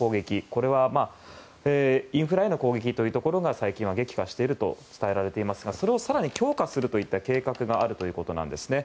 これは、インフラへの攻撃が最近は激化していると伝えられていますがそれを更に強化する計画があるということなんですね。